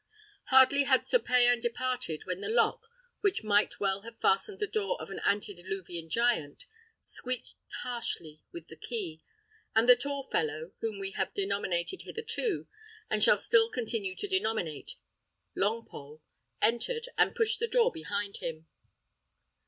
Hardly had Sir Payan departed, when the lock, which might well have fastened the door of an antediluvian giant, squeaked harshly with the key; and the tall fellow, whom we have denominated hitherto, and shall still continue to denominate Longpole, entered, and pushed the door behind him.